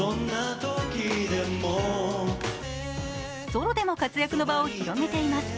ソロでも活躍の場を広げています。